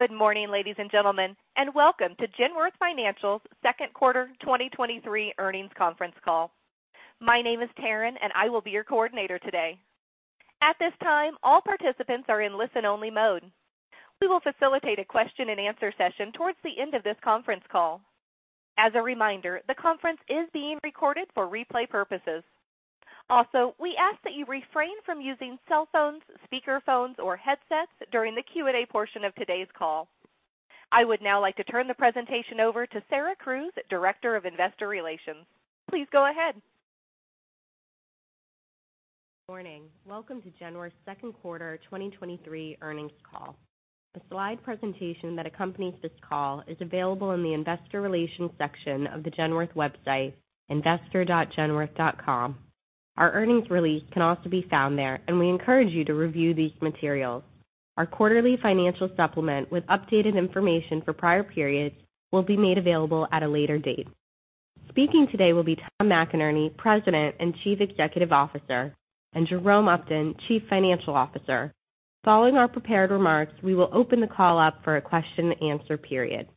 Good morning, ladies and gentlemen, welcome to Genworth Financial's second quarter 2023 earnings conference call. My name is Taryn, I will be your coordinator today. At this time, all participants are in listen-only mode. We will facilitate a question-and-answer session towards the end of this conference call. As a reminder, the conference is being recorded for replay purposes. We ask that you refrain from using cell phones, speakerphones or headsets during the Q&A portion of today's call. I would now like to turn the presentation over to Sarah Crews, Director of Investor Relations. Please go ahead. Morning. Welcome to Genworth's second quarter 2023 earnings call. A slide presentation that accompanies this call is available in the Investor Relations section of the Genworth website, investor.genworth.com. Our earnings release can also be found there. We encourage you to review these materials. Our quarterly financial supplement with updated information for prior periods will be made available at a later date. Speaking today will be Tom McInerney, President and Chief Executive Officer, and Jerome Upton, Chief Financial Officer. Following our prepared remarks, we will open the call up for a question-and-answer period.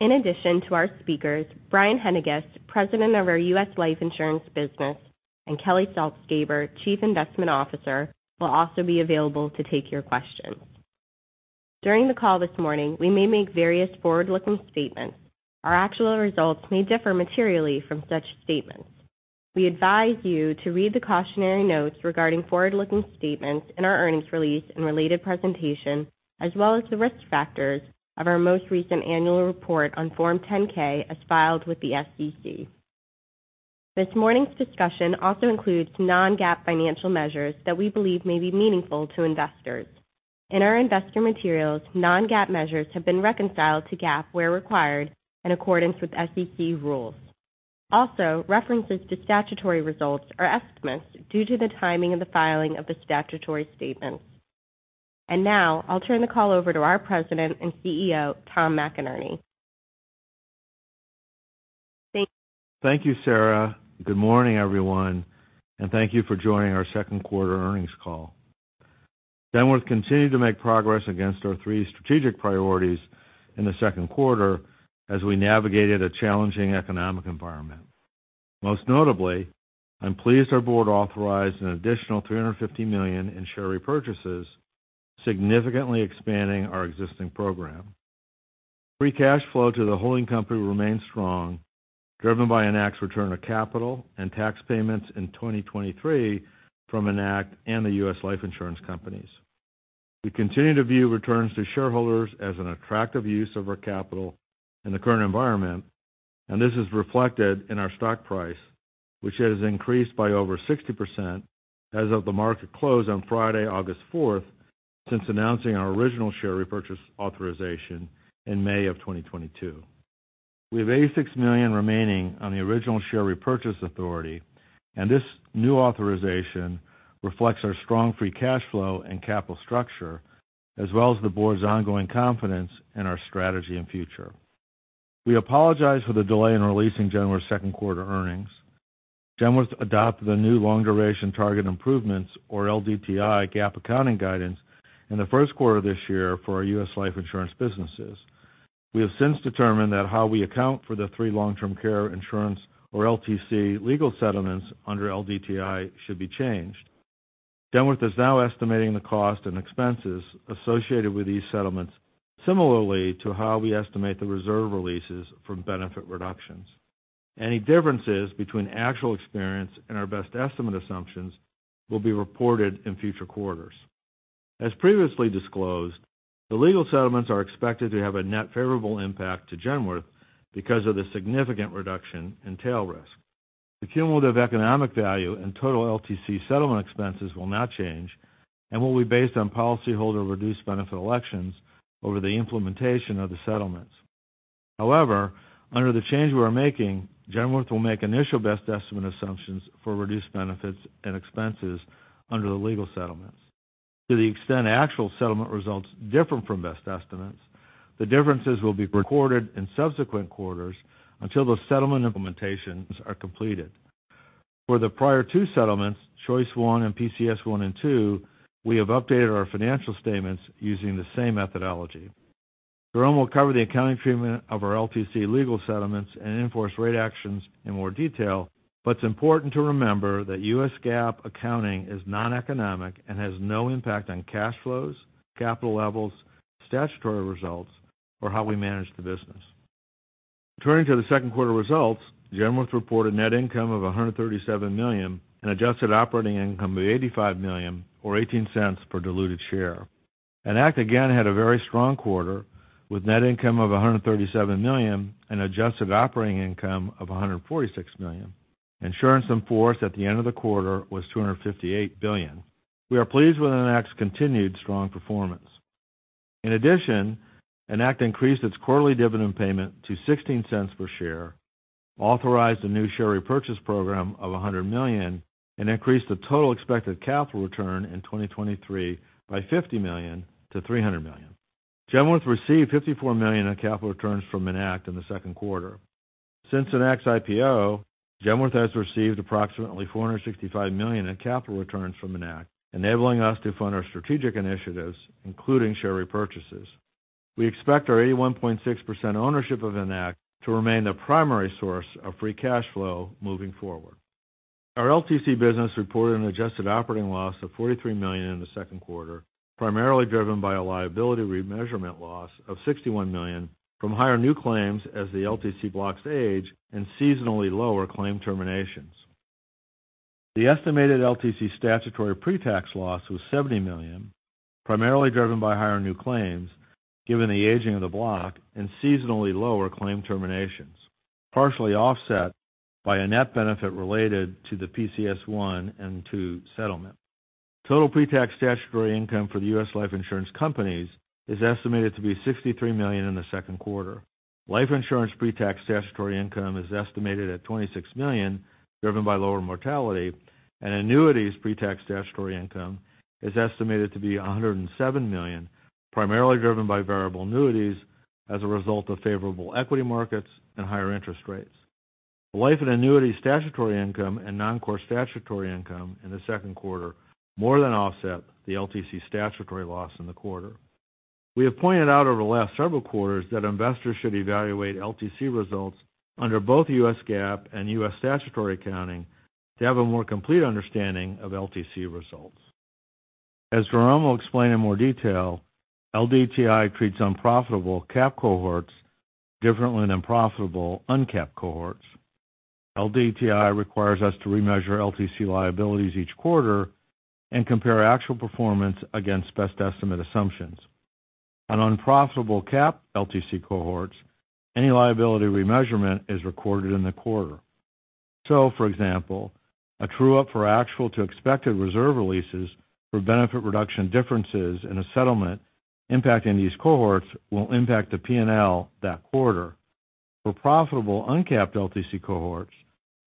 In addition to our speakers, Brian Haendiges, President of our U.S. Life Insurance Business, and Kelly Saltzgaber, Chief Investment Officer, will also be available to take your questions. During the call this morning, we may make various forward-looking statements. Our actual results may differ materially from such statements. We advise you to read the cautionary notes regarding forward-looking statements in our earnings release and related presentation, as well as the risk factors of our most recent annual report on Form 10-K, as filed with the SEC. This morning's discussion also includes non-GAAP financial measures that we believe may be meaningful to investors. In our investor materials, non-GAAP measures have been reconciled to GAAP where required, in accordance with SEC rules. References to statutory results are estimates due to the timing of the filing of the statutory statements. Now, I'll turn the call over to our President and CEO, Tom McInerney. Thank you, Sarah. Good morning, everyone, and thank you for joining our second quarter earnings call. Genworth continued to make progress against our three strategic priorities in the second quarter as we navigated a challenging economic environment. Most notably, I'm pleased our board authorized an additional $350 million in share repurchases, significantly expanding our existing program. Free cash flow to the holding company remains strong, driven by Enact's return of capital and tax payments in 2023 from Enact and the U.S. Life Insurance Companies. This is reflected in our stock price, which has increased by over 60% as of the market close on Friday, August 4th, since announcing our original share repurchase authorization in May of 2022. We have $86 million remaining on the original share repurchase authority, and this new authorization reflects our strong free cash flow and capital structure, as well as the board's ongoing confidence in our strategy and future. We apologize for the delay in releasing Genworth's second quarter earnings. Genworth adopted the new Long-Duration Targeted Improvements, or LDTI, GAAP accounting guidance in the first quarter of this year for our U.S. Life Insurance businesses. We have since determined that how we account for the 3 long-term care insurance, or LTC, legal settlements under LDTI should be changed. Genworth is now estimating the cost and expenses associated with these settlements, similarly to how we estimate the reserve releases from benefit reductions. Any differences between actual experience and our best estimate assumptions will be reported in future quarters. As previously disclosed, the legal settlements are expected to have a net favorable impact to Genworth because of the significant reduction in tail risk. The cumulative economic value and total LTC settlement expenses will not change and will be based on policyholder reduced benefit elections over the implementation of the settlements. However, under the change we are making, Genworth will make initial best estimate assumptions for reduced benefits and expenses under the legal settlements. To the extent actual settlement results differ from best estimates, the differences will be recorded in subsequent quarters until those settlement implementations are completed. For the prior two settlements, Choice I and PCS I and II, we have updated our financial statements using the same methodology. Jerome will cover the accounting treatment of our LTC legal settlements and in-force rate actions in more detail. It's important to remember that U.S. GAAP accounting is non-economic and has no impact on cash flows, capital levels, statutory results, or how we manage the business. Turning to the second quarter results, Genworth reported net income of $137 million and adjusted operating income of $85 million, or $0.18 per diluted share. Enact again had a very strong quarter, with net income of $137 million and adjusted operating income of $146 million. Insurance in force at the end of the quarter was $258 billion. We are pleased with Enact's continued strong performance. Enact increased its quarterly dividend payment to $0.16 per share, authorized a new share repurchase program of $100 million, and increased the total expected capital return in 2023 by $50 million to $300 million. Genworth received $54 million in capital returns from Enact in the second quarter. Since Enact's IPO, Genworth has received approximately $465 million in capital returns from Enact, enabling us to fund our strategic initiatives, including share repurchases. We expect our 81.6% ownership of Enact to remain the primary source of free cash flow moving forward. Our LTC business reported an adjusted operating loss of $43 million in the second quarter, primarily driven by a liability remeasurement loss of $61 million from higher new claims as the LTC blocks age and seasonally lower claim terminations. The estimated LTC statutory pretax loss was $70 million, primarily driven by higher new claims, given the aging of the block and seasonally lower claim terminations, partially offset by a net benefit related to the PCS I and II settlement. Total pretax statutory income for the U.S. Life Insurance Companies is estimated to be $63 million in the second quarter. Life insurance pretax statutory income is estimated at $26 million, driven by lower mortality. Annuities pretax statutory income is estimated to be $107 million, primarily driven by variable annuities as a result of favorable equity markets and higher interest rates. Life and annuity statutory income and non-core statutory income in the second quarter more than offset the LTC statutory loss in the quarter. We have pointed out over the last several quarters that investors should evaluate LTC results under both U.S. GAAP and U.S. statutory accounting to have a more complete understanding of LTC results. As Jerome will explain in more detail, LDTI treats unprofitable capped cohorts differently than profitable uncapped cohorts. LDTI requires us to remeasure LTC liabilities each quarter and compare actual performance against best estimate assumptions. On unprofitable capped LTC cohorts, any liability remeasurement is recorded in the quarter. For example, a true-up for actual to expected reserve releases for benefit reduction differences in a settlement impacting these cohorts will impact the P&L that quarter. For profitable uncapped LTC cohorts,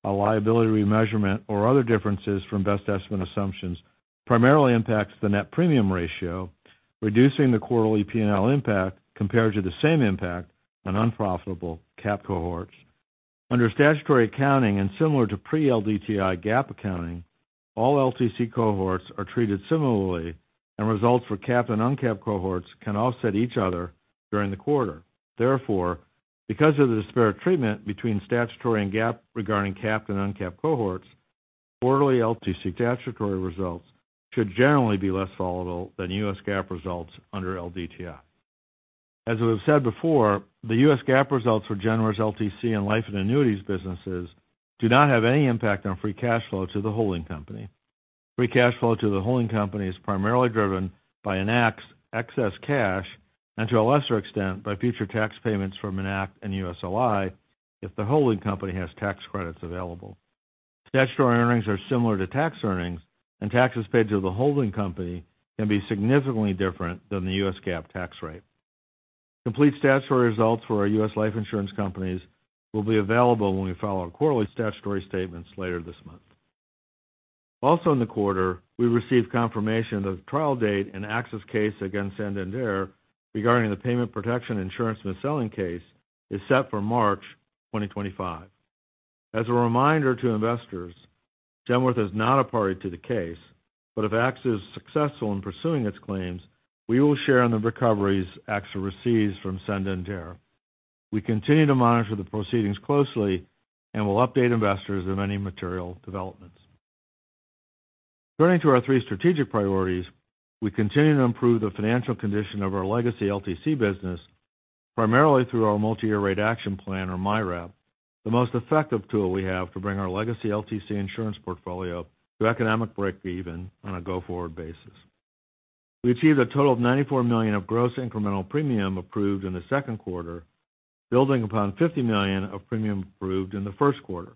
a liability remeasurement or other differences from best estimate assumptions primarily impacts the net premium ratio, reducing the quarterly P&L impact compared to the same impact on unprofitable capped cohorts. Under statutory accounting and similar to pre-LDTI GAAP accounting, all LTC cohorts are treated similarly, and results for capped and uncapped cohorts can offset each other during the quarter. Because of the disparate treatment between statutory and GAAP regarding capped and uncapped cohorts, quarterly LTC statutory results should generally be less volatile than U.S. GAAP results under LDTI. As we have said before, the U.S. GAAP results for Genworth's LTC and life and annuities businesses do not have any impact on free cash flow to the holding company. Free cash flow to the holding company is primarily driven by Enact's excess cash and, to a lesser extent, by future tax payments from Enact and USLI, if the holding company has tax credits available. Statutory earnings are similar to tax earnings, and taxes paid to the holding company can be significantly different than the U.S. GAAP tax rate. Complete statutory results for our U.S. life insurance companies will be available when we file our quarterly statutory statements later this month. Also in the quarter, we received confirmation that the trial date in AXA case against Santander regarding the Payment Protection Insurance mis-selling case is set for March 2025. As a reminder to investors, Genworth is not a party to the case, but if AXA is successful in pursuing its claims, we will share in the recoveries AXA receives from Santander. We continue to monitor the proceedings closely and will update investors of any material developments. Turning to our three strategic priorities, we continue to improve the financial condition of our legacy LTC business, primarily through our Multi-Year Rate Action Plan, or MYRAP, the most effective tool we have to bring our legacy LTC insurance portfolio to economic breakeven on a go-forward basis. We achieved a total of $94 million of gross incremental premium approved in the second quarter, building upon $50 million of premium approved in the first quarter.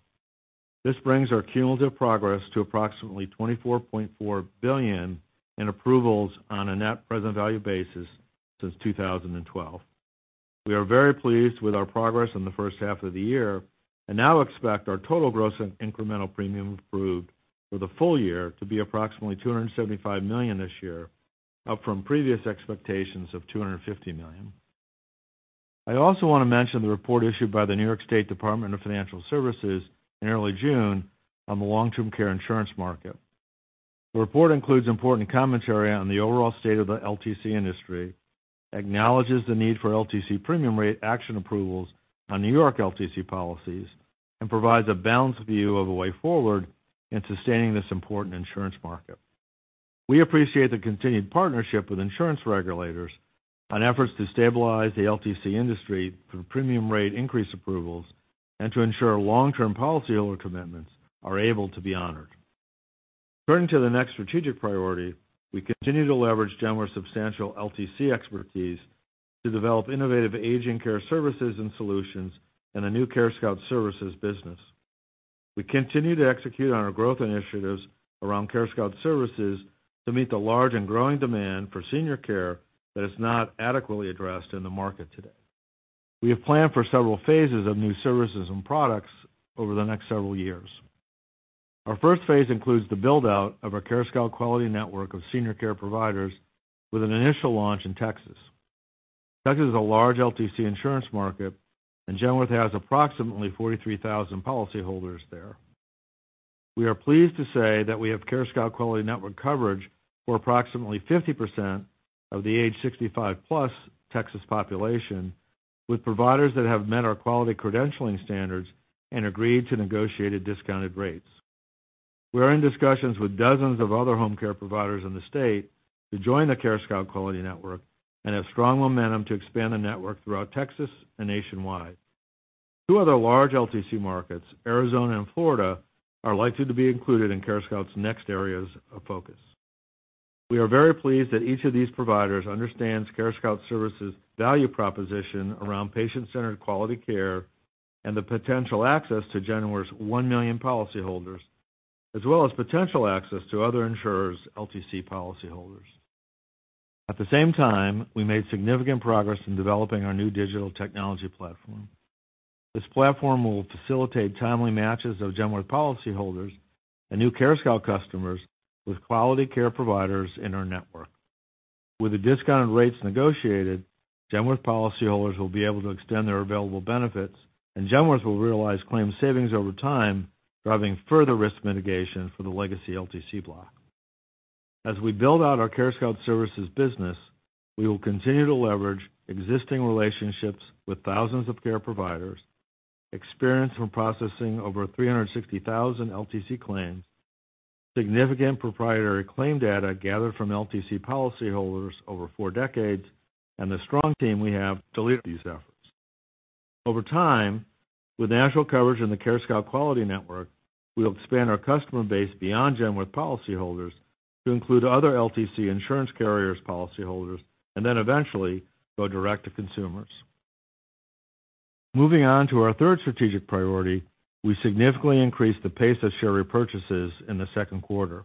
This brings our cumulative progress to approximately $24.4 billion in approvals on a net present value basis since 2012. We are very pleased with our progress in the first half of the year and now expect our total gross incremental premium approved for the full year to be approximately $275 million this year, up from previous expectations of $250 million. I also want to mention the report issued by the New York State Department of Financial Services in early June on the long-term care insurance market. The report includes important commentary on the overall state of the LTC industry, acknowledges the need for LTC premium rate action approvals on New York LTC policies, and provides a balanced view of a way forward in sustaining this important insurance market. We appreciate the continued partnership with insurance regulators on efforts to stabilize the LTC industry through premium rate increase approvals and to ensure long-term policyholder commitments are able to be honored. Turning to the next strategic priority, we continue to leverage Genworth's substantial LTC expertise to develop innovative aging care services and solutions in the new CareScout Services business. We continue to execute on our growth initiatives around CareScout Services to meet the large and growing demand for senior care that is not adequately addressed in the market today. We have planned for several phases of new services and products over the next several years.... Our first phase includes the build-out of our CareScout Quality Network of senior care providers, with an initial launch in Texas. Texas is a large LTC insurance market, and Genworth has approximately 43,000 policyholders there. We are pleased to say that we have CareScout Quality Network coverage for approximately 50% of the age 65+ Texas population, with providers that have met our quality credentialing standards and agreed to negotiated discounted rates. We are in discussions with dozens of other home care providers in the state to join the CareScout Quality Network and have strong momentum to expand the network throughout Texas and nationwide. Two other large LTC markets, Arizona and Florida, are likely to be included in CareScout's next areas of focus. We are very pleased that each of these providers understands CareScout Services' value proposition around patient-centered quality care and the potential access to Genworth's 1 million policyholders, as well as potential access to other insurers' LTC policyholders. At the same time, we made significant progress in developing our new digital technology platform. This platform will facilitate timely matches of Genworth policyholders and new CareScout customers with quality care providers in our network. With the discounted rates negotiated, Genworth policyholders will be able to extend their available benefits, and Genworth will realize claim savings over time, driving further risk mitigation for the legacy LTC block. As we build out our CareScout Services business, we will continue to leverage existing relationships with thousands of care providers, experience from processing over 360,000 LTC claims, significant proprietary claim data gathered from LTC policyholders over 4 decades, and the strong team we have to lead these efforts. Over time, with national coverage in the CareScout Quality Network, we'll expand our customer base beyond Genworth policyholders to include other LTC insurance carriers' policyholders, then eventually, go direct to consumers. Moving on to our third strategic priority, we significantly increased the pace of share repurchases in the second quarter.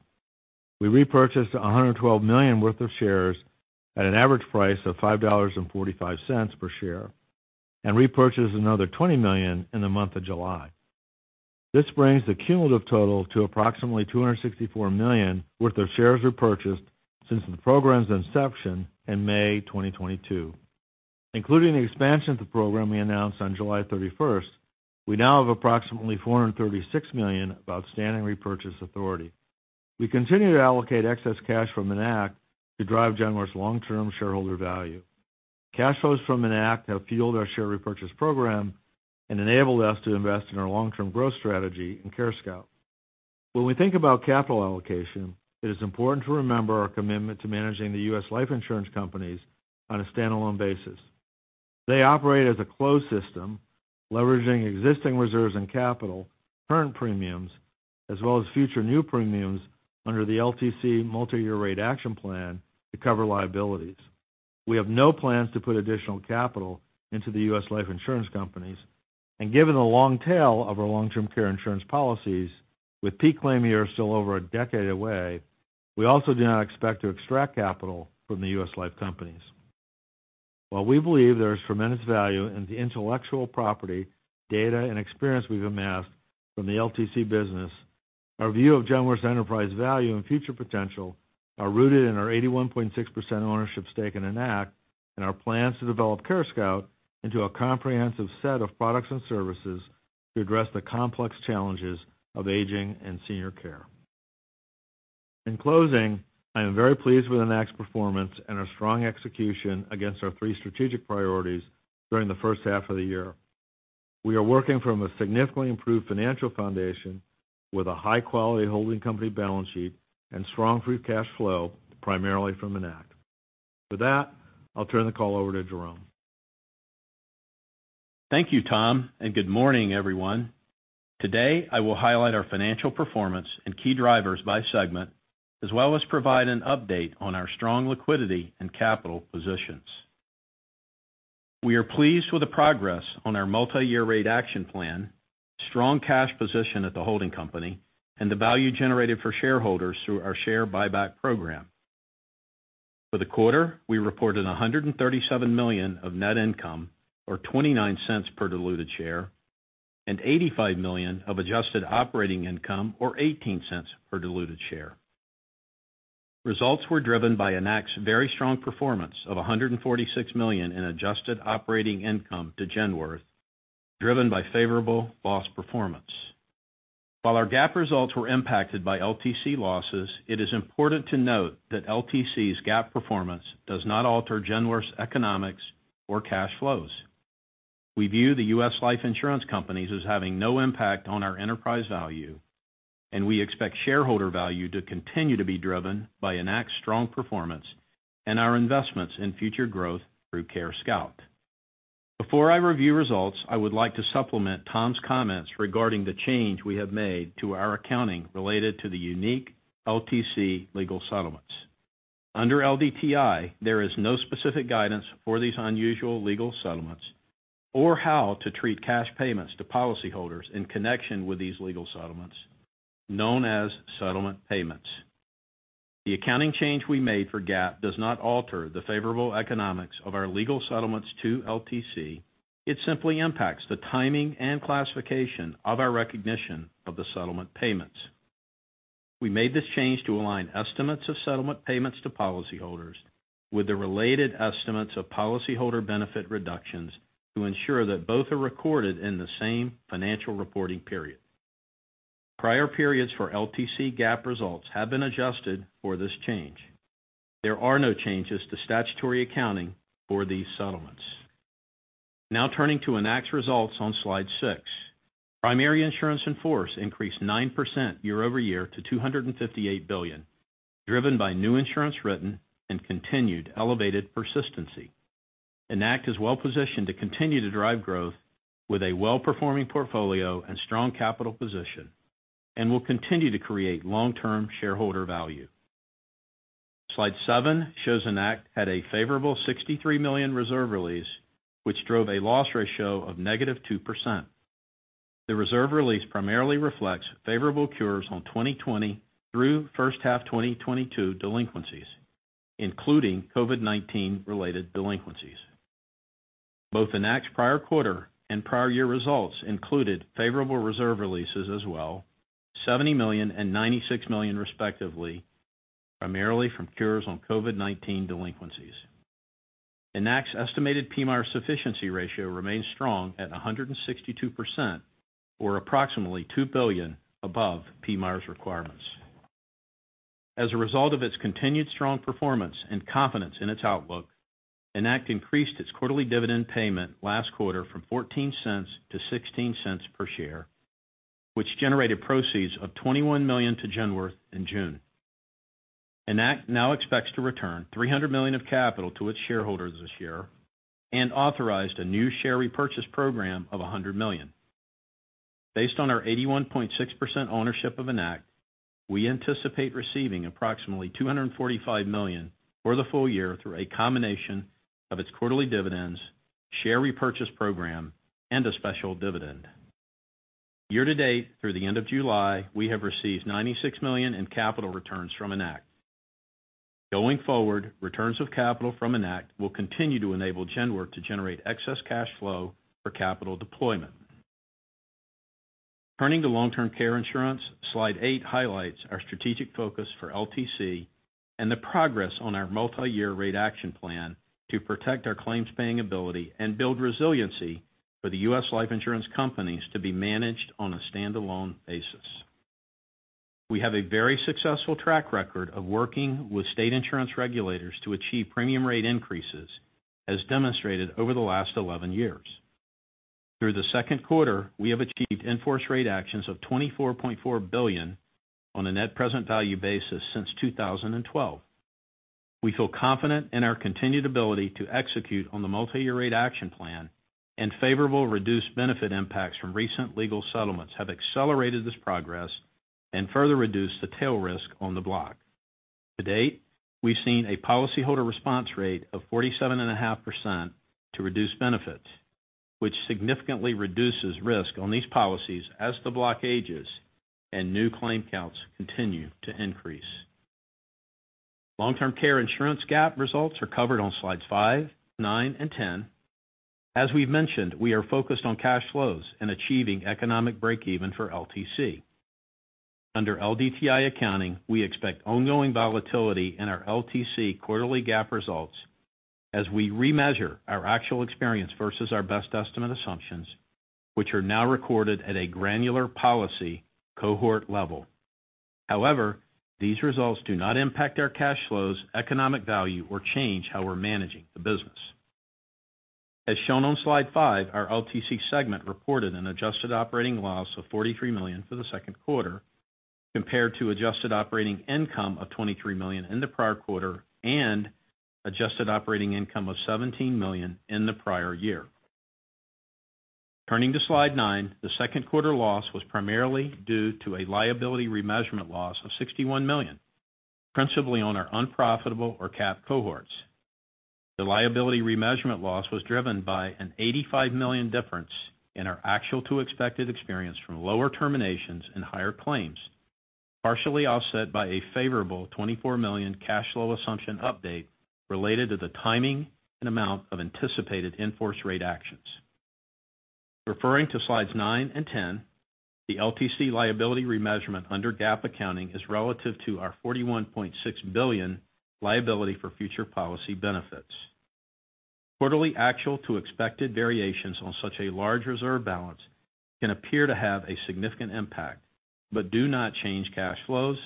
We repurchased $112 million worth of shares at an an average price of $5.45 per share, and repurchased another $20 million in the month of July. This brings the cumulative total to approximately $264 million worth of shares repurchased since the program's inception in May 2022. Including the expansion of the program we announced on July 31st, we now have approximately $436 million of outstanding repurchase authority. We continue to allocate excess cash from Enact to drive Genworth's long-term shareholder value. Cash flows from Enact have fueled our share repurchase program and enabled us to invest in our long-term growth strategy in CareScout. When we think about capital allocation, it is important to remember our commitment to managing the U.S. Life Insurance Companies on a standalone basis. They operate as a closed system, leveraging existing reserves and capital, current premiums, as well as future new premiums under the LTC Multi-Year Rate Action Plan to cover liabilities. We have no plans to put additional capital into the U.S. life insurance companies, and given the long tail of our long-term care insurance policies, with peak claim years still over a decade away, we also do not expect to extract capital from the U.S. life companies. While we believe there is tremendous value in the intellectual property, data, and experience we've amassed from the LTC business, our view of Genworth's enterprise value and future potential are rooted in our 81.6% ownership stake in Enact, and our plans to develop CareScout into a comprehensive set of products and services to address the complex challenges of aging and senior care. In closing, I am very pleased with Enact's performance and our strong execution against our three strategic priorities during the first half of the year. We are working from a significantly improved financial foundation with a high-quality holding company balance sheet and strong free cash flow, primarily from Enact. With that, I'll turn the call over to Jerome. Thank you, Tom, and good morning, everyone. Today, I will highlight our financial performance and key drivers by segment, as well as provide an update on our strong liquidity and capital positions. We are pleased with the progress on our Multi-Year Rate Action Plan, strong cash position at the holding company, and the value generated for shareholders through our share buyback program. For the quarter, we reported $137 million of net income, or $0.29 per diluted share, and $85 million of adjusted operating income or $0.18 per diluted share. Results were driven by Enact's very strong performance of $146 million in adjusted operating income to Genworth, driven by favorable loss performance. While our GAAP results were impacted by LTC losses, it is important to note that LTC's GAAP performance does not alter Genworth's economics or cash flows. We view the U.S. life insurance companies as having no impact on our enterprise value, and we expect shareholder value to continue to be driven by Enact's strong performance and our investments in future growth through CareScout. Before I review results, I would like to supplement Tom's comments regarding the change we have made to our accounting related to the unique LTC legal settlements. Under LDTI, there is no specific guidance for these unusual legal settlements or how to treat cash payments to policyholders in connection with these legal settlements, known as settlement payments. The accounting change we made for GAAP does not alter the favorable economics of our legal settlements to LTC. It simply impacts the timing and classification of our recognition of the settlement payments. We made this change to align estimates of settlement payments to policyholders with the related estimates of policyholder benefit reductions, to ensure that both are recorded in the same financial reporting period. Prior periods for LTC GAAP results have been adjusted for this change. There are no changes to statutory accounting for these settlements. Now turning to Enact's results on Slide 6. Primary insurance in force increased 9% year-over-year to $258 billion, driven by new insurance written and continued elevated persistency. Enact is well positioned to continue to drive growth with a well-performing portfolio and strong capital position, and will continue to create long-term shareholder value. Slide 7 shows Enact had a favorable $63 million reserve release, which drove a loss ratio of -2%. The reserve release primarily reflects favorable cures on 2020 through first half 2022 delinquencies, including COVID-19 related delinquencies. Both Enact's prior quarter and prior year results included favorable reserve releases as well, $70 million and $96 million, respectively, primarily from cures on COVID-19 delinquencies. Enact's estimated PMIER sufficiency ratio remains strong at 162%, or approximately $2 billion above PMIERs requirements. As a result of its continued strong performance and confidence in its outlook, Enact increased its quarterly dividend payment last quarter from $0.14 to $0.16 per share, which generated proceeds of $21 million to Genworth in June. Enact now expects to return $300 million of capital to its shareholders this year and authorized a new share repurchase program of $100 million. Based on our 81.6% ownership of Enact, we anticipate receiving approximately $245 million for the full year through a combination of its quarterly dividends, share repurchase program, and a special dividend. Year to date, through the end of July, we have received $96 million in capital returns from Enact. Going forward, returns of capital from Enact will continue to enable Genworth to generate excess cash flow for capital deployment. Turning to long-term care insurance, slide 8 highlights our strategic focus for LTC and the progress on our Multi-Year Rate Action Plan to protect our claims-paying ability and build resiliency for the U.S. Life Insurance Companies to be managed on a standalone basis. We have a very successful track record of working with state insurance regulators to achieve premium rate increases, as demonstrated over the last 11 years. Through the second quarter, we have achieved in-force rate actions of $24.4 billion on a net present value basis since 2012. We feel confident in our continued ability to execute on the Multi-Year Rate Action Plan. Favorable reduced benefit impacts from recent legal settlements have accelerated this progress and further reduced the tail risk on the block. To date, we've seen a policyholder response rate of 47.5% to reduce benefits, which significantly reduces risk on these policies as the block ages and new claim counts continue to increase. Long-term care insurance GAAP results are covered on Slides 5, 9, and 10. As we've mentioned, we are focused on cash flows and achieving economic breakeven for LTC. Under LDTI accounting, we expect ongoing volatility in our LTC quarterly GAAP results as we remeasure our actual experience versus our best estimate assumptions, which are now recorded at a granular policy cohort level. However, these results do not impact our cash flows, economic value, or change how we're managing the business. As shown on Slide 5, our LTC segment reported an adjusted operating loss of $43 million for the second quarter, compared to adjusted operating income of $23 million in the prior quarter and adjusted operating income of $17 million in the prior year. Turning to Slide 9, the second quarter loss was primarily due to a liability remeasurement loss of $61 million, principally on our unprofitable or cap cohorts. The liability remeasurement loss was driven by an $85 million difference in our actual to expected experience from lower terminations and higher claims, partially offset by a favorable $24 million cash flow assumption update related to the timing and amount of anticipated in-force rate actions. Referring to Slides 9 and 10, the LTC liability remeasurement under GAAP accounting is relative to our $41.6 billion liability for future policy benefits. Quarterly actual to expected variations on such a large reserve balance can appear to have a significant impact, but do not change cash flows,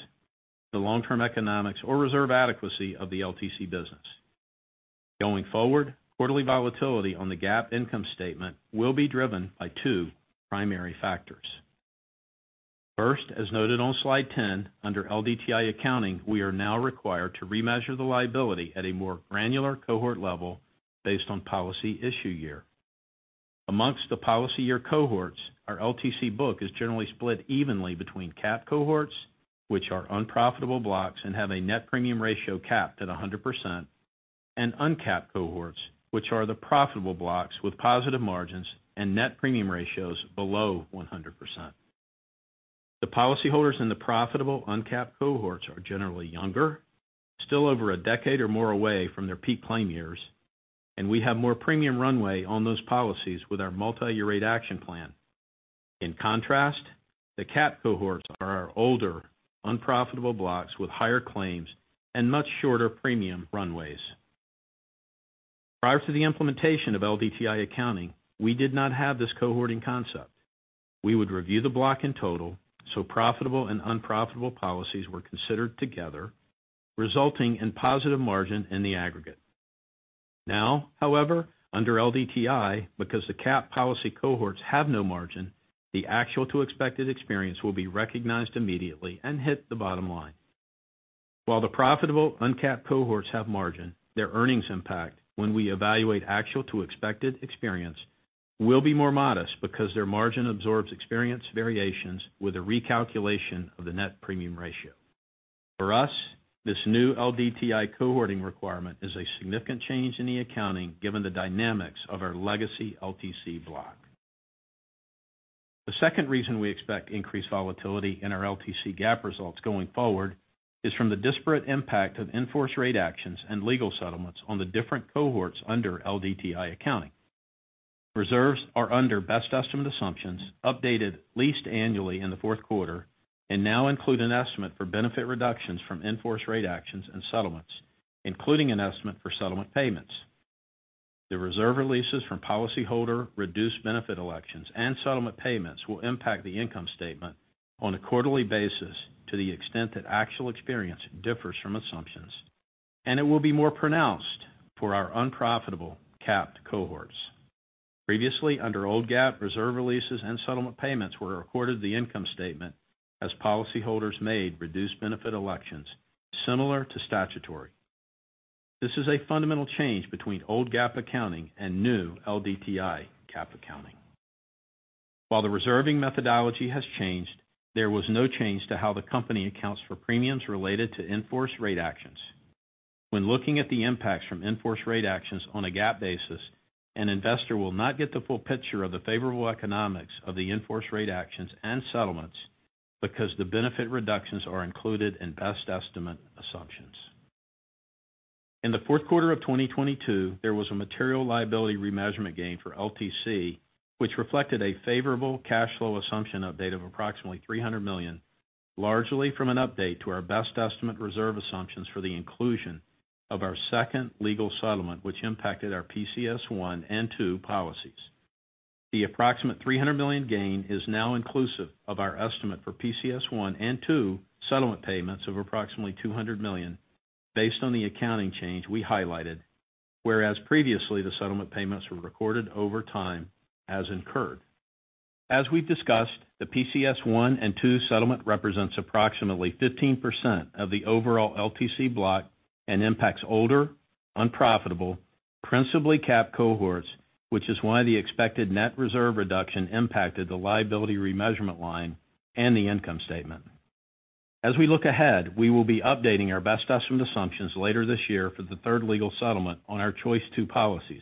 the long-term economics, or reserve adequacy of the LTC business. Going forward, quarterly volatility on the GAAP income statement will be driven by two primary factors. First, as noted on Slide 10, under LDTI accounting, we are now required to remeasure the liability at a more granular cohort level based on policy issue year. Amongst the policy year cohorts, our LTC book is generally split evenly between cap cohorts, which are unprofitable blocks and have a net premium ratio capped at 100%, and uncapped cohorts, which are the profitable blocks with positive margins and net premium ratios below 100%. The policyholders in the profitable uncapped cohorts are generally younger, still over a decade or more away from their peak claim years, and we have more premium runway on those policies with our Multi-Year Rate Action Plan. In contrast, the capped cohorts are our older, unprofitable blocks with higher claims and much shorter premium runways. Prior to the implementation of LDTI accounting, we did not have this cohorting concept. We would review the block in total. Profitable and unprofitable policies were considered together, resulting in positive margin in the aggregate. Now, however, under LDTI, because the capped policy cohorts have no margin, the actual to expected experience will be recognized immediately and hit the bottom line. While the profitable uncapped cohorts have margin, their earnings impact when we evaluate actual to expected experience, will be more modest because their margin absorbs experience variations with a recalculation of the net premium ratio. For us, this new LDTI cohorting requirement is a significant change in the accounting, given the dynamics of our legacy LTC block. The second reason we expect increased volatility in our LTC GAAP results going forward, is from the disparate impact of in-force rate actions and legal settlements on the different cohorts under LDTI accounting. Reserves are under best estimate assumptions, updated at least annually in the fourth quarter, and now include an estimate for benefit reductions from in-force rate actions and settlements, including an estimate for settlement payments. The reserve releases from policyholder reduced benefit elections and settlement payments will impact the income statement on a quarterly basis to the extent that actual experience differs from assumptions, and it will be more pronounced for our unprofitable capped cohorts. Previously, under old GAAP, reserve releases and settlement payments were recorded the income statement as policyholders made reduced benefit elections similar to statutory. This is a fundamental change between old GAAP accounting and new LDTI GAAP accounting. While the reserving methodology has changed, there was no change to how the company accounts for premiums related to in-force rate actions. When looking at the impacts from in-force rate actions on a GAAP basis, an investor will not get the full picture of the favorable economics of the in-force rate actions and settlements, because the benefit reductions are included in best estimate assumptions. In the fourth quarter of 2022, there was a material liability remeasurement gain for LTC, which reflected a favorable cash flow assumption update of approximately $300 million, largely from an update to our best estimate reserve assumptions for the inclusion of our second legal settlement, which impacted our PCS I and II policies. The approximate $300 million gain is now inclusive of our estimate for PCS I and II settlement payments of approximately $200 million, based on the accounting change we highlighted, whereas previously, the settlement payments were recorded over time as incurred. As we've discussed, the PCS I and II settlement represents approximately 15% of the overall LTC block and impacts older, unprofitable, principally capped cohorts, which is why the expected net reserve reduction impacted the liability remeasurement line and the income statement. As we look ahead, we will be updating our best estimate assumptions later this year for the third legal settlement on our Choice II policies.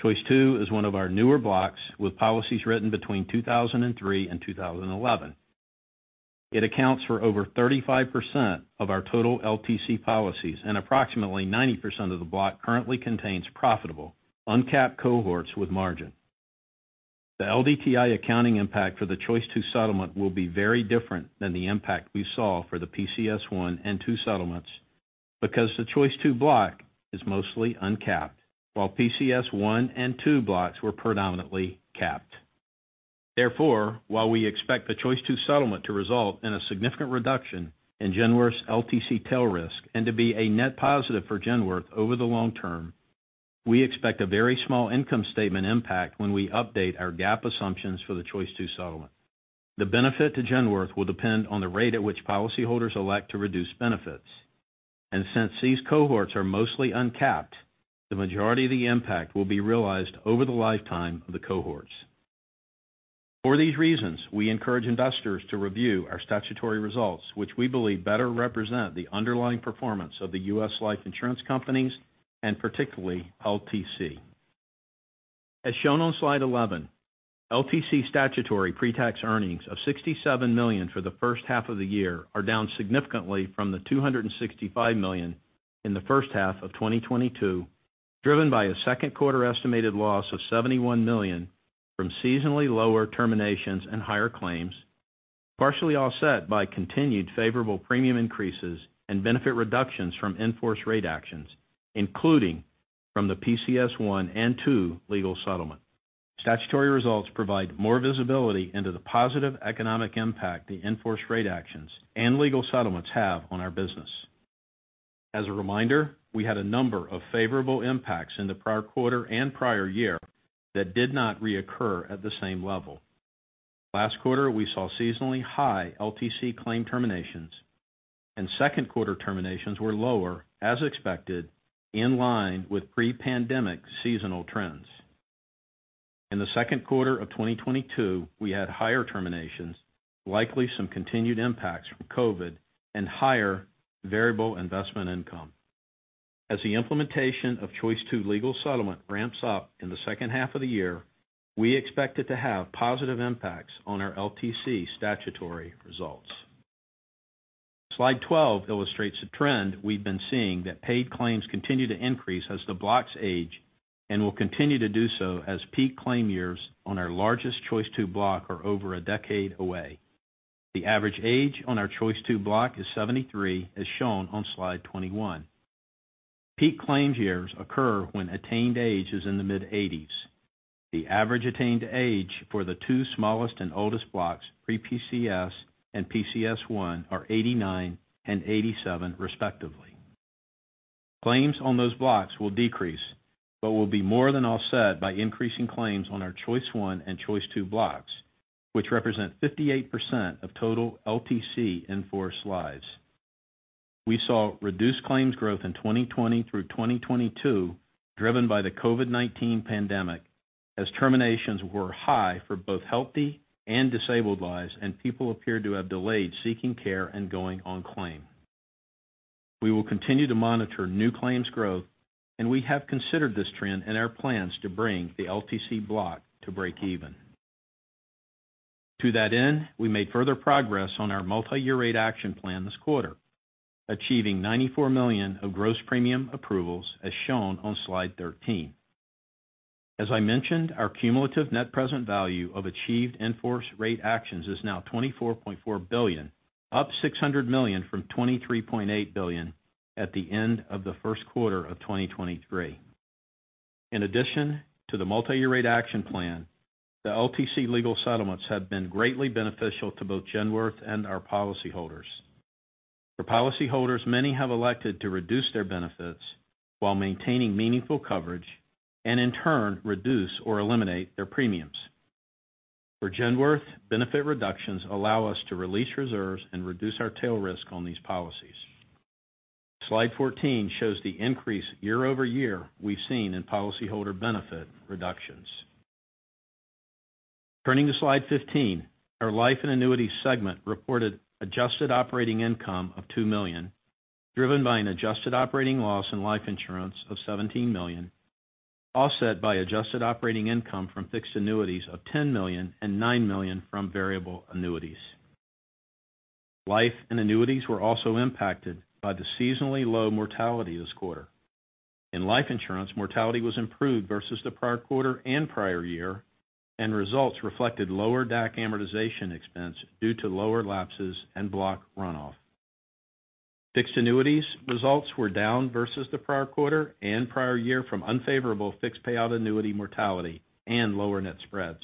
Choice II is one of our newer blocks, with policies written between 2003 and 2011. It accounts for over 35% of our total LTC policies, and approximately 90% of the block currently contains profitable, uncapped cohorts with margin. The LDTI accounting impact for the Choice II settlement will be very different than the impact we saw for the PCS I and II settlements, because the Choice II block is mostly uncapped, while PCS I and II blocks were predominantly capped. Therefore, while we expect the Choice II settlement to result in a significant reduction in Genworth's LTC tail risk and to be a net positive for Genworth over the long term, we expect a very small income statement impact when we update our GAAP assumptions for the Choice II settlement. The benefit to Genworth will depend on the rate at which policyholders elect to reduce benefits, and since these cohorts are mostly uncapped, the majority of the impact will be realized over the lifetime of the cohorts. For these reasons, we encourage investors to review our statutory results, which we believe better represent the underlying performance of the U.S. Life Insurance Companies, and particularly LTC. As shown on slide 11, LTC statutory pretax earnings of $67 million for the first half of the year are down significantly from the $265 million in the first half of 2022, driven by a second quarter estimated loss of $71 million from seasonally lower terminations and higher claims, partially offset by continued favorable premium increases and benefit reductions from in-force rate actions, including from the PCS I and II legal settlement. Statutory results provide more visibility into the positive economic impact the in-force rate actions and legal settlements have on our business. As a reminder, we had a number of favorable impacts in the prior quarter and prior year that did not reoccur at the same level. Last quarter, we saw seasonally high LTC claim terminations, and second quarter terminations were lower, as expected, in line with pre-pandemic seasonal trends. In the second quarter of 2022, we had higher terminations, likely some continued impacts from COVID, and higher variable investment income. As the implementation of Choice II legal settlement ramps up in the second half of the year, we expect it to have positive impacts on our LTC statutory results. Slide 12 illustrates a trend we've been seeing, that paid claims continue to increase as the blocks age, and will continue to do so as peak claim years on our largest Choice II block are over a decade away. The average age on our Choice II block is 73, as shown on slide 21. Peak claims years occur when attained age is in the mid-80s. The average attained age for the two smallest and oldest blocks, Pre-PCS and PCS I, are 89 and 87 respectively. Claims on those blocks will decrease, but will be more than offset by increasing claims on our Choice I and Choice II blocks, which represent 58% of total LTC in force lives. We saw reduced claims growth in 2020 through 2022, driven by the COVID-19 pandemic, as terminations were high for both healthy and disabled lives, and people appeared to have delayed seeking care and going on claim. We will continue to monitor new claims growth, and we have considered this trend in our plans to bring the LTC block to breakeven. To that end, we made further progress on our Multi-Year Rate Action Plan this quarter, achieving $94 million of gross premium approvals, as shown on slide 13. As I mentioned, our cumulative net present value of achieved in-force rate actions is now $24.4 billion, up $600 million from $23.8 billion at the end of the first quarter of 2023. In addition to the Multi-Year Rate Action Plan, the LTC legal settlements have been greatly beneficial to both Genworth and our policyholders. For policyholders, many have elected to reduce their benefits while maintaining meaningful coverage, and in turn, reduce or eliminate their premiums. For Genworth, benefit reductions allow us to release reserves and reduce our tail risk on these policies. Slide 14 shows the increase year-over-year we've seen in policyholder benefit reductions. Turning to Slide 15. Our life and annuities segment reported adjusted operating income of $2 million, driven by an adjusted operating loss in life insurance of $17 million, offset by adjusted operating income from fixed annuities of $10 million, and $9 million from variable annuities. Life and annuities were also impacted by the seasonally low mortality this quarter. In life insurance, mortality was improved versus the prior quarter and prior year, and results reflected lower DAC amortization expense due to lower lapses and block runoff. Fixed annuities results were down versus the prior quarter and prior year from unfavorable fixed payout annuity mortality and lower net spreads.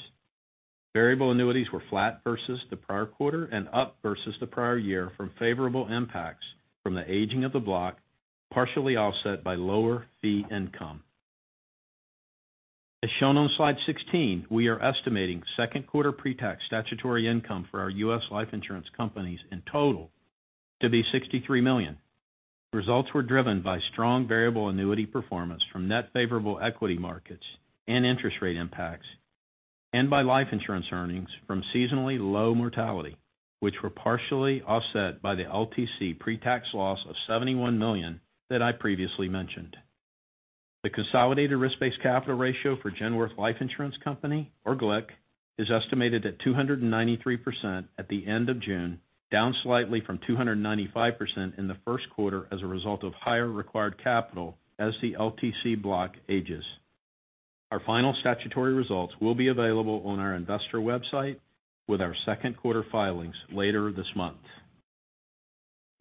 Variable annuities were flat versus the prior quarter and up versus the prior year from favorable impacts from the aging of the block, partially offset by lower fee income. As shown on slide 16, we are estimating second quarter pretax statutory income for our U.S. Life Insurance Companies in total to be $63 million. Results were driven by strong variable annuity performance from net favorable equity markets and interest rate impacts, and by life insurance earnings from seasonally low mortality, which were partially offset by the LTC pretax loss of $71 million that I previously mentioned. The consolidated risk-based capital ratio for Genworth Life Insurance Company, or GLIC, is estimated at 293% at the end of June, down slightly from 295% in the first quarter as a result of higher required capital as the LTC block ages. Our final statutory results will be available on our investor website with our second quarter filings later this month.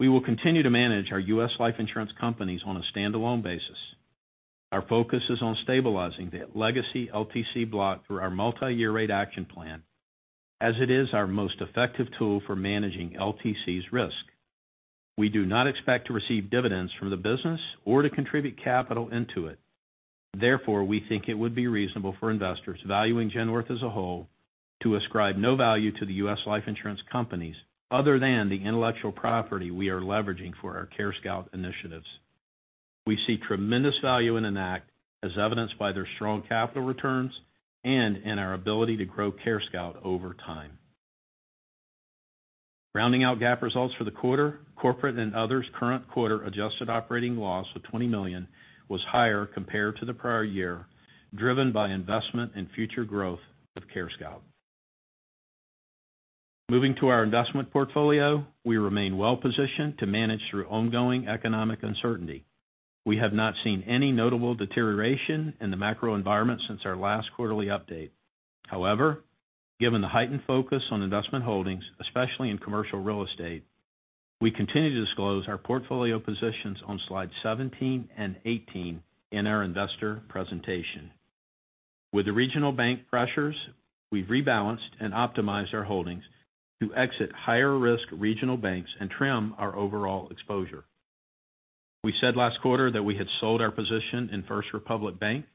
We will continue to manage our U.S. Life Insurance Companies on a standalone basis. Our focus is on stabilizing the legacy LTC block through our Multi-Year Rate Action Plan, as it is our most effective tool for managing LTC's risk. We do not expect to receive dividends from the business or to contribute capital into it. Therefore, we think it would be reasonable for investors valuing Genworth as a whole, to ascribe no value to the U.S. Life Insurance Companies, other than the intellectual property we are leveraging for our CareScout initiatives. We see tremendous value in Enact, as evidenced by their strong capital returns and in our ability to grow CareScout over time. Rounding out GAAP results for the quarter, corporate and others' current quarter adjusted operating loss of $20 million was higher compared to the prior year, driven by investment in future growth of CareScout. Moving to our investment portfolio. We remain well positioned to manage through ongoing economic uncertainty. We have not seen any notable deterioration in the macro environment since our last quarterly update. However, given the heightened focus on investment holdings, especially in commercial real estate, we continue to disclose our portfolio positions on slide 17 and 18 in our investor presentation. With the regional bank pressures, we've rebalanced and optimized our holdings to exit higher-risk regional banks and trim our overall exposure. We said last quarter that we had sold our position in First Republic Bank,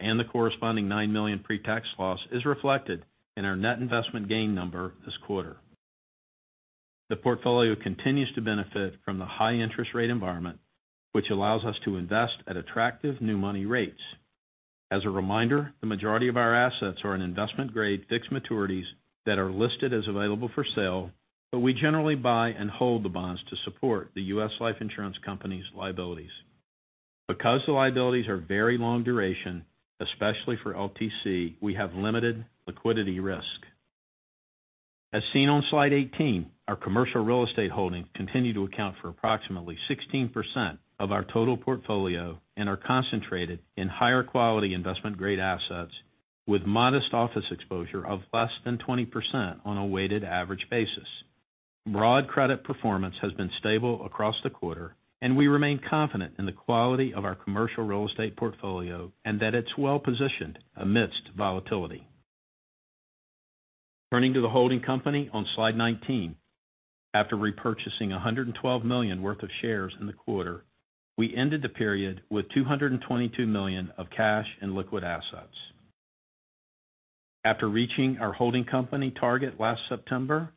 and the corresponding $9 million pretax loss is reflected in our net investment gain number this quarter. The portfolio continues to benefit from the high interest rate environment, which allows us to invest at attractive new money rates. As a reminder, the majority of our assets are in investment-grade fixed maturities that are listed as available for sale. We generally buy and hold the bonds to support the U.S. life insurance company's liabilities. Because the liabilities are very long duration, especially for LTC, we have limited liquidity risk. As seen on slide 18, our commercial real estate holdings continue to account for approximately 16% of our total portfolio and are concentrated in higher quality investment-grade assets, with modest office exposure of less than 20% on a weighted average basis. Broad credit performance has been stable across the quarter. We remain confident in the quality of our commercial real estate portfolio and that it's well-positioned amidst volatility. Turning to the holding company on slide 19 After repurchasing $112 million worth of shares in the quarter, we ended the period with $222 million of cash and liquid assets. After reaching our holding company target last September,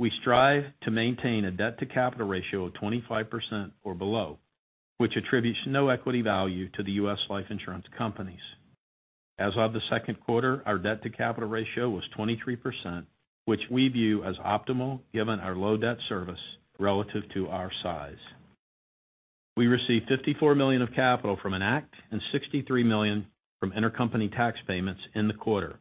we strive to maintain a debt to capital ratio of 25% or below, which attributes no equity value to the U.S. life insurance companies. As of the second quarter, our debt to capital ratio was 23%, which we view as optimal given our low debt service relative to our size. We received $54 million of capital from Enact and $63 million from intercompany tax payments in the quarter.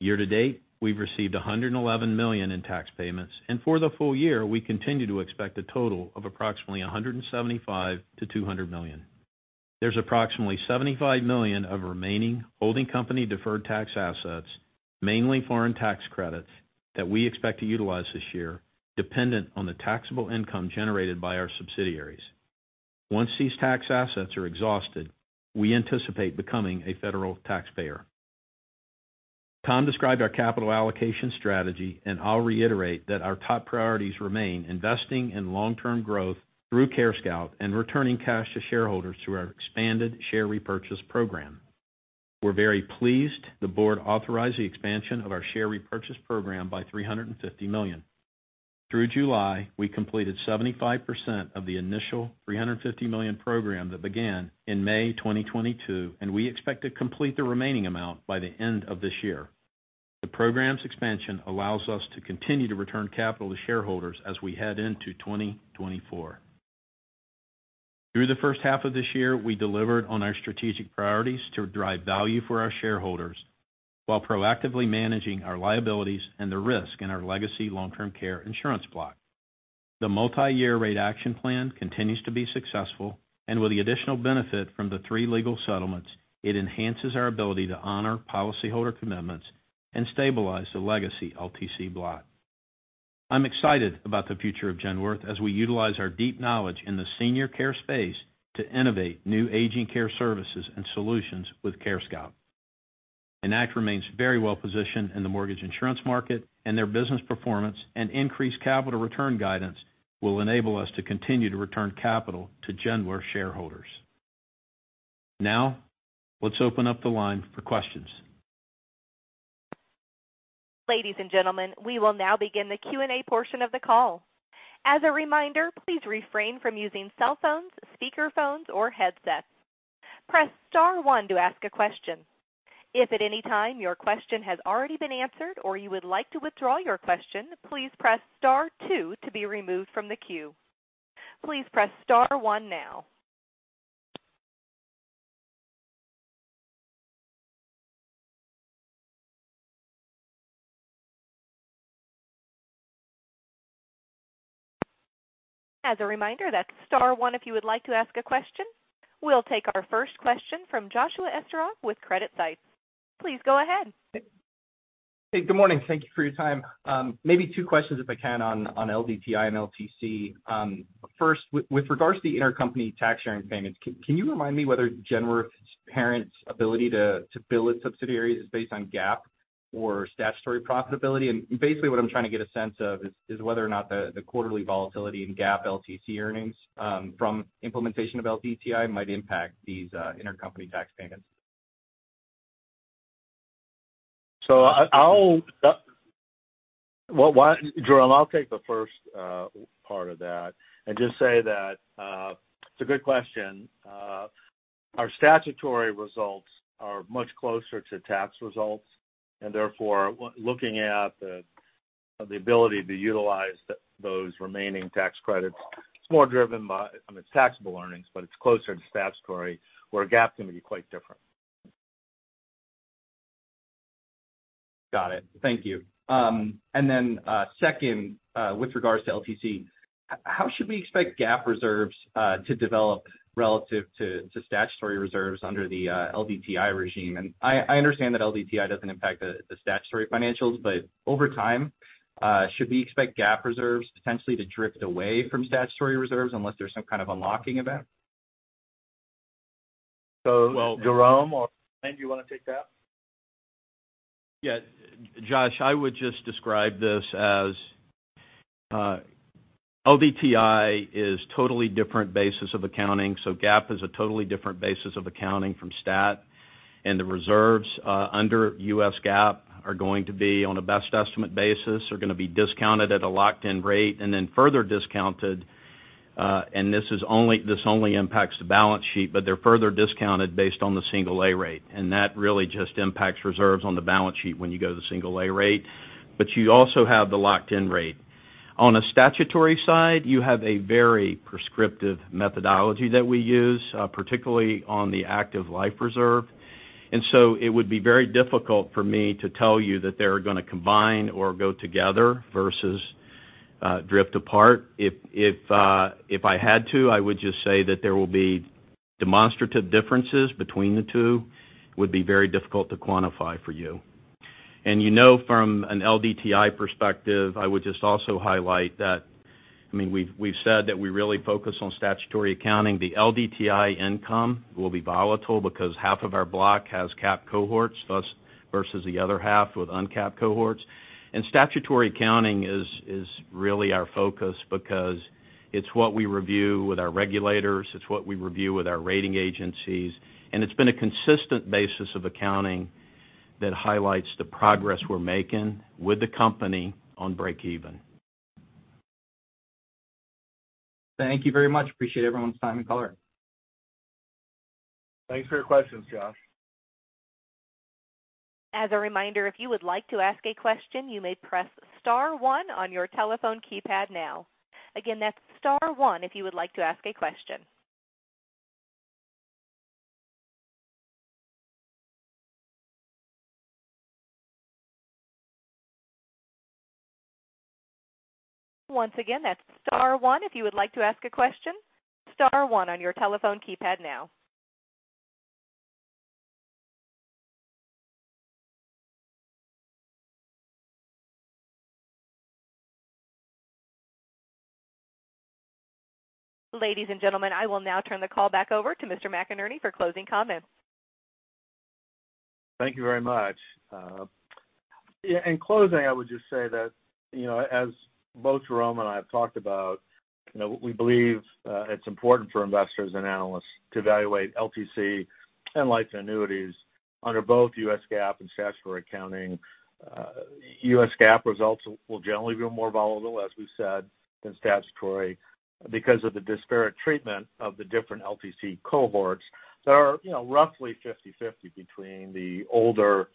Year to date, we've received $111 million in tax payments, and for the full year, we continue to expect a total of approximately $175 million-$200 million. There's approximately $75 million of remaining holding company deferred tax assets, mainly foreign tax credits, that we expect to utilize this year, dependent on the taxable income generated by our subsidiaries. Once these tax assets are exhausted, we anticipate becoming a federal taxpayer. Tom described our capital allocation strategy, and I'll reiterate that our top priorities remain investing in long-term growth through CareScout and returning cash to shareholders through our expanded share repurchase program. We're very pleased the board authorized the expansion of our share repurchase program by $350 million. Through July, we completed 75% of the initial $350 million program that began in May 2022, and we expect to complete the remaining amount by the end of this year. The program's expansion allows us to continue to return capital to shareholders as we head into 2024. Through the first half of this year, we delivered on our strategic priorities to drive value for our shareholders, while proactively managing our liabilities and the risk in our legacy long-term care insurance block. The Multi-Year Rate Action Plan continues to be successful, and with the additional benefit from the three legal settlements, it enhances our ability to honor policyholder commitments and stabilize the legacy LTC block. I'm excited about the future of Genworth as we utilize our deep knowledge in the senior care space to innovate new aging care services and solutions with CareScout. Enact remains very well positioned in the mortgage insurance market, and their business performance and increased capital return guidance will enable us to continue to return capital to Genworth shareholders. Now, let's open up the line for questions. Ladies and gentlemen, we will now begin the Q&A portion of the call. As a reminder, please refrain from using cell phones, speakerphones, or headsets. Press star 1 to ask a question. If at any time your question has already been answered or you would like to withdraw your question, please press star 2 to be removed from the queue. Please press star 1 now. As a reminder, that's star 1 if you would like to ask a question. We'll take our first question from Joshua Esterov with CreditSights. Please go ahead. Hey, good morning. Thank you for your time. Maybe two questions, if I can, on, on LDTI and LTC. First, with, with regards to the intercompany tax sharing payments, can, can you remind me whether Genworth's parent's ability to, to bill its subsidiaries is based on GAAP or statutory profitability? Basically, what I'm trying to get a sense of is, is whether or not the, the quarterly volatility in GAAP LTC earnings, from implementation of LDTI might impact these intercompany tax payments. Jerome, I'll take the first part of that and just say that it's a good question. Our statutory results are much closer to tax results, and therefore, looking at the, the ability to utilize those remaining tax credits, it's more driven by, I mean, it's taxable earnings, but it's closer to statutory, where GAAP is going to be quite different. Got it. Thank you. Then, second, with regards to LTC, how should we expect GAAP reserves to develop relative to statutory reserves under the LDTI regime? I, I understand that LDTI doesn't impact statutory financials, but over time, should we expect GAAP reserves potentially to drift away from statutory reserves unless there's some kind of unlocking event? Jerome or Ben, do you want to take that? Yeah, Josh, I would just describe this as LDTI is totally different basis of accounting, so GAAP is a totally different basis of accounting from STAT. The reserves under U.S. GAAP are going to be on a best estimate basis. They're going to be discounted at a locked-in rate and then further discounted, and this is only this only impacts the balance sheet, but they're further discounted based on the single A rate, and that really just impacts reserves on the balance sheet when you go to the single A rate, but you also have the locked-in rate. On a statutory side, you have a very prescriptive methodology that we use particularly on the active life reserve. It would be very difficult for me to tell you that they're going to combine or go together versus drift apart. If I had to, I would just say that there will be demonstrative differences between the two, would be very difficult to quantify for you. You know, from an LDTI perspective, I would just also highlight that, I mean, we've said that we really focus on statutory accounting. The LDTI income will be volatile because half of our block has capped cohorts, thus, versus the other half with uncapped cohorts. Statutory accounting is really our focus because it's what we review with our regulators, it's what we review with our rating agencies, and it's been a consistent basis of accounting that highlights the progress we're making with the company on breakeven. Thank you very much. Appreciate everyone's time and color. Thanks for your questions, Josh. As a reminder, if you would like to ask a question, you may press star one on your telephone keypad now. Again, that's star one if you would like to ask a question. Once again, that's star one if you would like to ask a question. Star one on your telephone keypad now. Ladies and gentlemen, I will now turn the call back over to Mr. McInerney for closing comments. Thank you very much. Yeah, in closing, I would just say that, you know, as both Jerome and I have talked about, you know, we believe it's important for investors and analysts to evaluate LTC and life annuities under both U.S. GAAP and statutory accounting. U.S. GAAP results will generally be more volatile, as we said, than statutory, because of the disparate treatment of the different LTC cohorts that are, you know, roughly 50/50 between the older,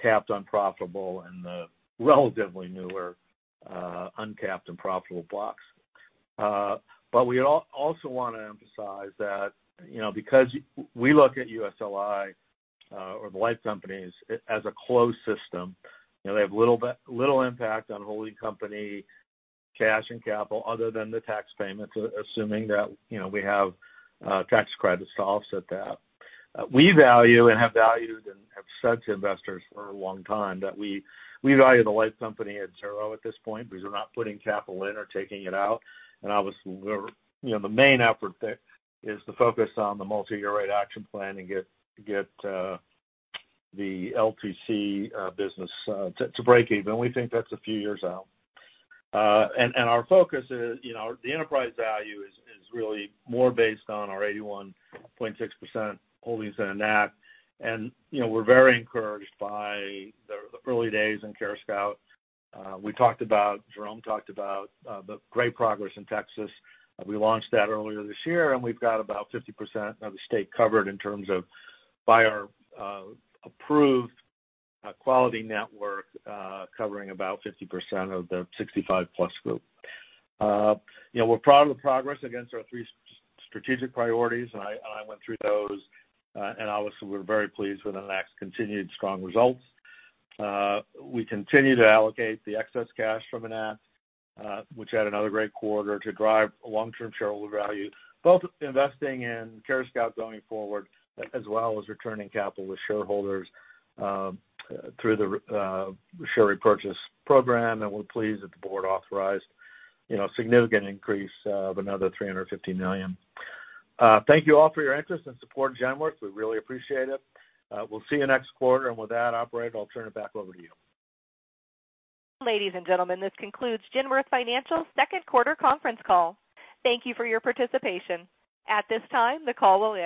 capped, unprofitable and the relatively newer, uncapped and profitable blocks. But we also want to emphasize that, you know, because we look at USLI, or the life companies, as a closed system, you know, they have little impact on holding company cash and capital other than the tax payments, assuming that, you know, we have tax credits to offset that. We value and have valued and have said to investors for a long time, that we value the Life Company at 0 at this point, because we're not putting capital in or taking it out. Obviously, we're, you know, the main effort there is to focus on the Multi-Year Rate Action Plan and get the LTC business to breakeven. We think that's a few years out. And our focus is, you know, the enterprise value is really more based on our 81.6% holdings in Enact. You know, we're very encouraged by the early days in CareScout. We talked about, Jerome talked about the great progress in Texas. We launched that earlier this year, we've got about 50% of the state covered in terms of by our approved Quality Network, covering about 50% of the 65+ group. You know, we're proud of the progress against our three strategic priorities, I, I went through those. Obviously, we're very pleased with Enact's continued strong results. We continue to allocate the excess cash from Enact, which had another great quarter, to drive long-term shareholder value, both investing in CareScout going forward, as well as returning capital to shareholders through the share repurchase program. We're pleased that the board authorized, you know, a significant increase of another $350 million. Thank you all for your interest and support of Genworth. We really appreciate it. We'll see you next quarter, and with that, operator, I'll turn it back over to you. Ladies and gentlemen, this concludes Genworth Financial's second quarter conference call. Thank you for your participation. At this time, the call will end.